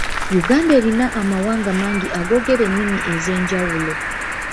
Uganda erina amawanga mangi agoogera ennimi ez'enjawulo.